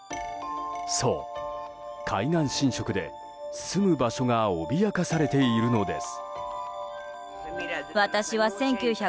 そう、海岸浸食で住む場所が脅かされているのです。